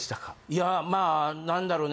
いやまあ何だろうね